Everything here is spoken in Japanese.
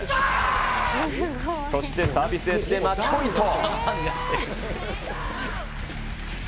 そしてサービスエースでマッチポイント。